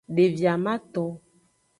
Devi amaton.